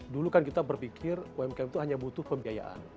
dulu kan kita berpikir umkm itu hanya butuh pembiayaan